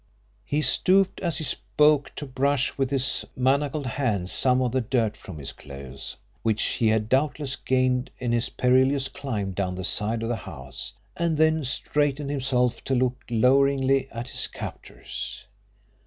He stooped as he spoke to brush with his manacled hands some of the dirt from his clothes, which he had doubtless gained in his perilous climb down the side of the house, and then straightened himself to look loweringly at his captors.